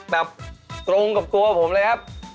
แบบตรงกับตัวผมเลยครับ